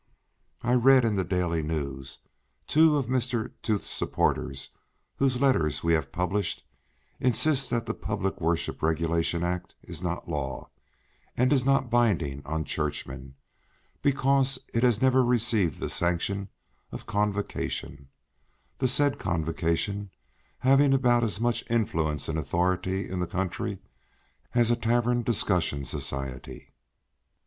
I read in the Daily News: "Two of Mr. Tooth's supporters, whose letters we have published, insist that the Public Worship Regulation Act is not law and is not binding on Churchmen, because it has never received the sanction of Convocation"—the said Convocation having about as much influence and authority in the country as a tavern discussion society.